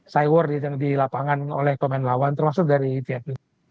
side war yang dilapangan oleh komen lawan termasuk dari vietnam